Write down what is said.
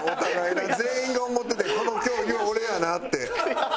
全員が思っててん「この競技は俺やな」って。